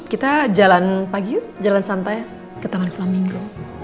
kita jalan pagi yuk jalan santai ke taman promingo